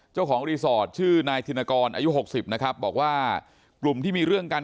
เจ้าของรีสอร์ทชื่อนายธินกรอายุหกสิบนะครับบอกว่ากลุ่มที่มีเรื่องกัน